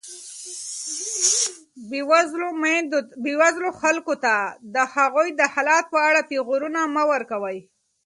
بېوزلو خلکو ته د هغوی د حالت په اړه پېغورونه مه ورکوئ.